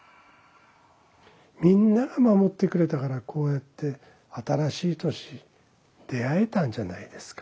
みんなが守ってくれたからこうやって新しい年に出会えたんじゃないですか。